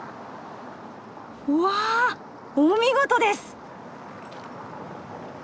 うわお見事です！